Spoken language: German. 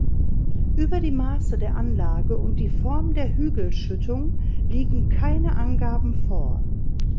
Über die Maße der Anlage und die Form der Hügelschüttung liegen keine Angaben vor.